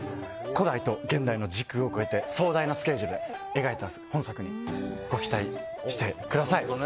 古代と現代の時空を超えて壮大なスケールで描いた今作品ご期待してください。